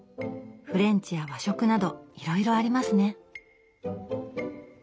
フレンチや和食などいろいろありますね。